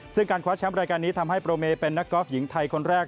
ซึ่งการคว้าแชมป์รายการนี้ทำให้โปรเมเป็นนักกอล์ฟหญิงไทยคนแรก